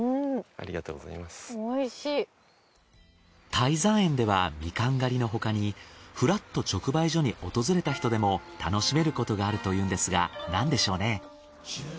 泰山園ではみかん狩りの他にフラっと直売所に訪れた人でも楽しめることがあるというんですが何でしょうね？